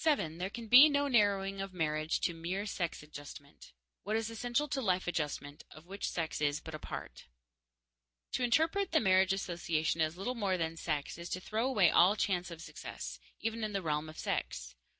There can be no narrowing of marriage to mere sex adjustment. What is essential is life adjustment, of which sex is but a part._ To interpret the marriage association as little more than sex is to throw away all chance of success, even in the realm of sex.